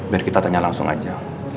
biar kita tanya langsung aja